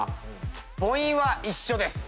母音は一緒です。